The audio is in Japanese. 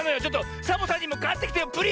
ちょっとサボさんにもかってきてよ